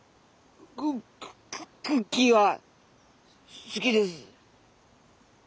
ククッキーは好きです。